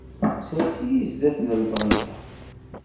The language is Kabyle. Sers-iyi zzat n lbanka.